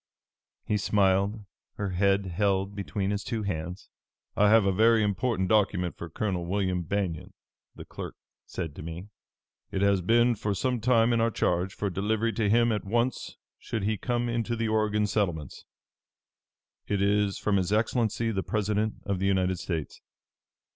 He smiled, her head held between his two hands. "'I have a very important document for Colonel William Banion,' the clerk said to me. 'It has been for some time in our charge, for delivery to him at once should he come into the Oregon settlements. It is from His Excellency, the President of the United States.